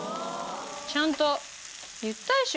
ちゃんと言ったでしょ？